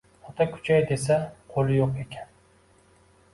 Ota kuchay desa qo’li yo’q ekan